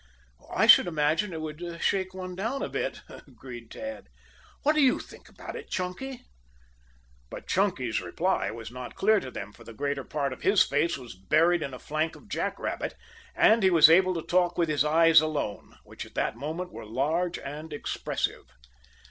"I should imagine it would shake one down a bit," agreed Tad. "What do you think about it, Chunky?" But Chunky's reply was not clear to them, for the greater part of his face was buried in a flank of jack rabbit, and he was able to talk with his eyes alone, which at that moment were large and expressive.